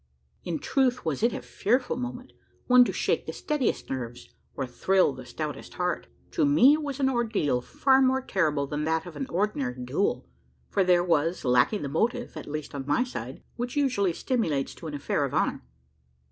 In truth was it a fearful moment one to shake the steadiest nerves, or thrill the stoutest heart. To me, it was an ordeal far more terrible than that of an ordinary duel; for there was, lacking the motive at least on my side which usually stimulates to an affair of honour.